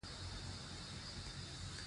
افغانستان د ښارونه په برخه کې نړیوال شهرت لري.